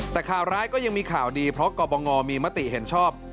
แต่ข่าวร้ายก็ยังมีข่าวดีเพราะกรบงมีมติเห็นชอบ